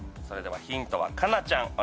それではヒントはかなちゃん